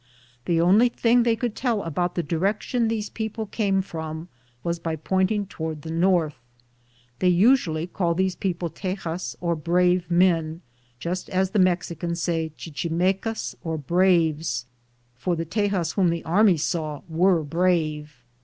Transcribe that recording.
The only thing they could tell about the direction these people came from was by pointing toward the north. They usually call these people Teyas or brave men, just as the Mexicans say chichimecas or braves, for the Teyas whom the army saw were brave.